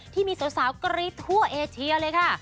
ที่มีสาวกรี๊ดทั่วเอเชียเลยค่ะ